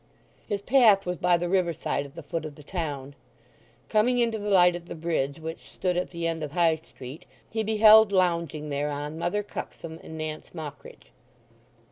His path was by the river side at the foot of the town. Coming into the light at the bridge which stood at the end of High Street he beheld lounging thereon Mother Cuxsom and Nance Mockridge.